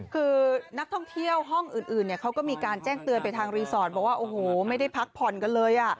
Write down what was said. คือนักท่องเที่ยวห้องอื่นเขาก็มีการแจ้งเตือนไปทางรีสอร์ทบอกว่าโอ้โหไม่ได้พักผ่อนกันเลย